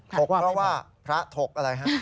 กเพราะว่าพระถกอะไรฮะ